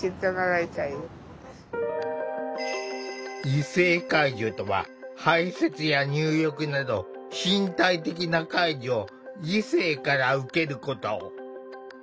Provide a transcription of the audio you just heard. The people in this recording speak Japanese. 異性介助とは排せつや入浴など身体的な介助を異性から受けること。